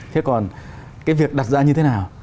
thế còn cái việc đặt ra như thế nào